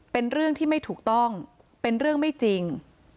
เป็นเรื่องที่ไม่ถูกต้องเป็นเรื่องไม่จริง